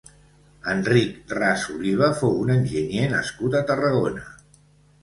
Enric Ras Oliva fou un enginyer nascut a Tarragona